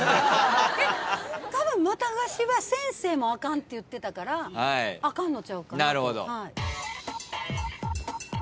たぶんまた貸しは先生もあかんって言ってたからあかんのちゃうかなと。